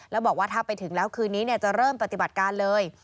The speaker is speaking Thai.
แล้วบอกว่าถ้าไปถึงแล้วคืนนี้จะเริ่มปฏิบัติการเลย